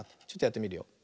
ちょっとやってみるよ。